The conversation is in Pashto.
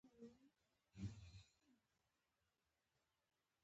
ملا صاحب د کلي روحاني مشر وي.